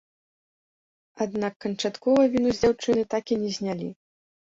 Аднак канчаткова віну з дзяўчыны так і не знялі.